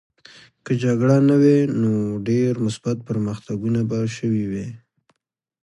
که جګړه نه وای نو ډېر مثبت پرمختګونه به شوي وای